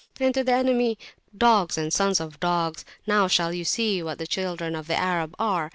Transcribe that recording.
and to the enemy "Dogs and sons of dogs! now shall you see what the children of the Arab are."